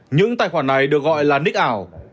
những tài khoản này được gọi là ních ảo